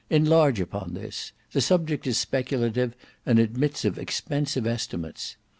Enlarge upon this, the subject is speculative and admits of expensive estimates.